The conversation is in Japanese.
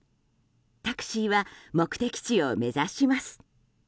タクシーは目的地を目指します。